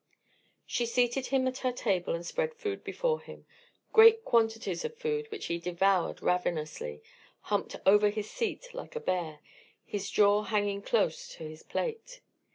She seated him at her table and spread food before him great quantities of food, which he devoured ravenously, humped over in his seat like a bear, his jaw hanging close to his plate.